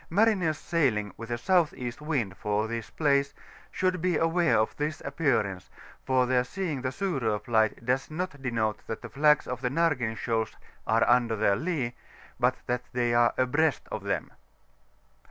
Mariners sailing with a S.E. wind for this place, shemd be aware of this appearance, for their seeii^ the Surop Li^ht does not denote that the flags of the Nargen shoals are under their lee, but that Sbey are abreast of them.